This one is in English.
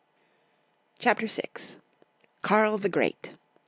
CHAPTER VL KABL THE GREAT.